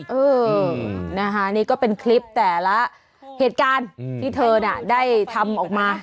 เออนะคะนี่ก็เป็นคลิปแต่ละเหตุการณ์ที่เธอน่ะได้ทำออกมา